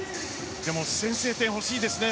でも先制点、欲しいですね。